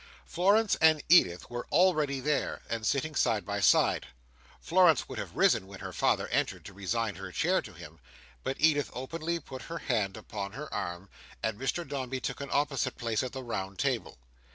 Florence and Edith were already there, and sitting side by side. Florence would have risen when her father entered, to resign her chair to him; but Edith openly put her hand upon her arm, and Mr Dombey took an opposite place at the round table.